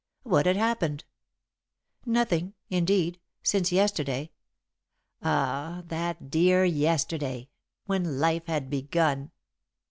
What had happened? Nothing, indeed, since yesterday ah, that dear yesterday, when life had begun!